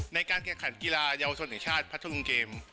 ในการแข่งขันกีฬาเยาวชนแห่งชาติพัทธรุงเกม